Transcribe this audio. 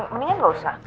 mendingan gak usah